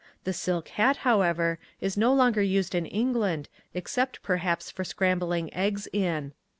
The silk hat, however, is no longer used in England except perhaps for scrambling eggs in.